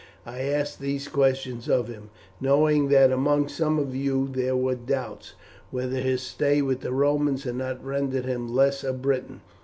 I asked these questions of him, knowing that among some of you there were doubts whether his stay with the Romans had not rendered him less a Briton.